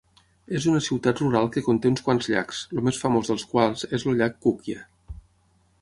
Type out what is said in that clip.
És una ciutat rural que conté uns quants llacs, el més famós dels quals és el llac Kukkia.